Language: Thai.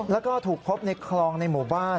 แล้วก็ถูกพบในคลองในหมู่บ้าน